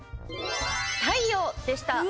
太陽でした。